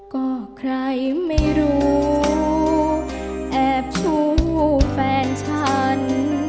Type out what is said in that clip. ก็ใครไม่รู้แอบสู้แฟนฉัน